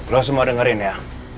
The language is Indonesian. lo semua dengerin ya